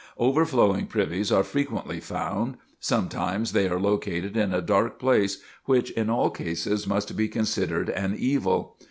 Overflowing privies are frequently found. Sometimes they are located in a dark place, which in all cases must be considered an evil.